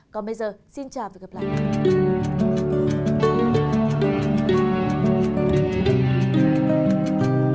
còn bây giờ xin chào và gặp lại